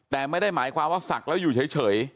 แต่ไม่ได้หมายความว่าศักดิ์แล้วอยู่เฉย